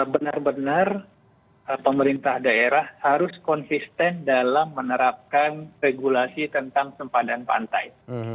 benar benar pemerintah daerah harus konsisten dalam menerapkan regulasi tentang sempadan pantai